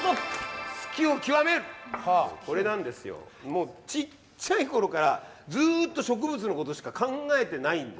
もうちっちゃい頃からずっと植物のことしか考えてないんですよ。